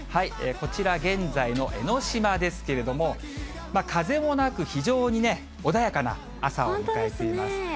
こちら、現在の江の島ですけれども、風もなく、非常に穏やかな朝を迎えています。